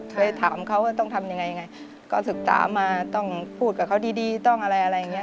เคยถามเขาว่าต้องทำยังไงยังไงก็ศึกษามาต้องพูดกับเขาดีต้องอะไรอะไรอย่างนี้